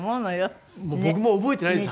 僕も覚えてないです